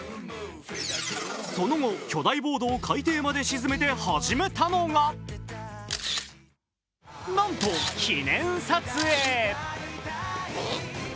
その後、巨大ボードを海底まで沈めて始めたのが、なんと記念撮影。